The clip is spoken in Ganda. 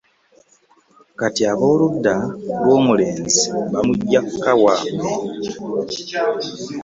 Kati ab’oludda lw’omulenzi bamuggya ka waabwe.